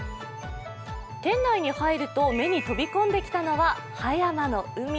店内に入ると目に飛び込んできたのは葉山の海。